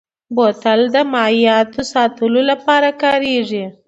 بوتل د مایعاتو ساتلو لپاره کارېږي.